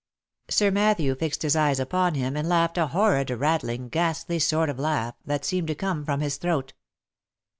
Sir Matthew fixed his eyes upon him, and laughed a horrid, rattling, ghastly sort of laugh, that seemed to come from his throat.